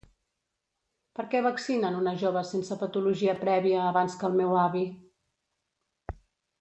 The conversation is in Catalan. Per què vaccinen una jove sense patologia prèvia abans que el meu avi?